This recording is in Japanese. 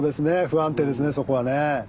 不安定ですねそこはね。